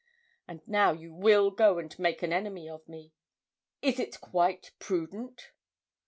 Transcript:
And now you will go and make an enemy of me is it quite prudent?'